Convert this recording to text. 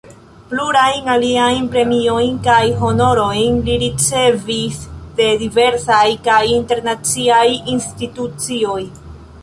Plurajn aliajn premiojn kaj honorojn li ricevis de diversaj kaj internaciaj institucioj.